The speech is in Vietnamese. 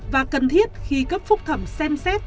và cần thiết khi cấp phúc thẩm xem xét